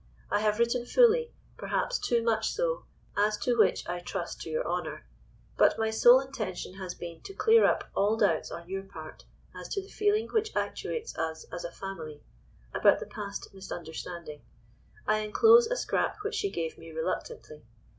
I have written fully, perhaps too much so, as to which I trust to your honour, but my sole intention has been to clear up all doubts on your part, as to the feeling which actuates us as a family, about the past misunderstanding. I enclose a scrap which she gave me reluctantly.